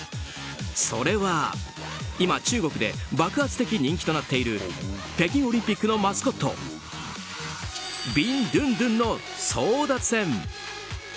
それは、今中国で爆発的人気となっている北京オリンピックのマスコットビンドゥンドゥンの争奪戦。